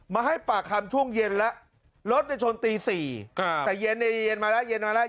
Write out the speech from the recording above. มาให้ปากคำช่วงเย็นแล้วรถชนตี๔แต่เย็นในเย็นมาแล้วเย็นมาแล้ว